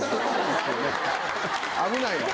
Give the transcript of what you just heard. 危ないわ。